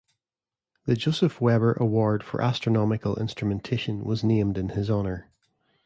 The Joseph Weber Award for Astronomical Instrumentation was named in his honor.